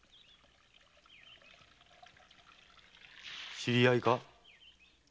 知り合いか？